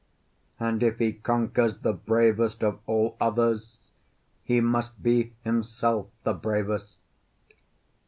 And if he conquers the bravest of all others, he must be himself the bravest.